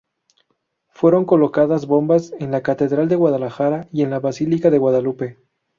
Fueron colocadas bombas en la catedral de Guadalajara y en la basílica de Guadalupe.